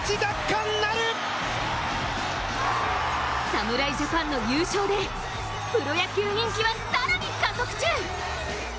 侍ジャパンの優勝でプロ野球人気は更に加速中！